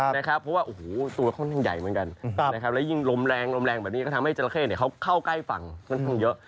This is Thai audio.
เพราะว่าตัวเข้าทางใหญ่เหมือนกันและยิ่งลมแรงแบบนี้ก็ทำให้จราเข้เข้าใกล้ฝั่งกันเยอะ